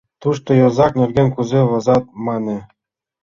Тушто йозак нерген кузе возат, — мане.